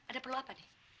ada perlu apa